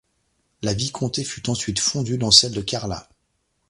La vicomté fut ensuite fondue dans celle de Carlat.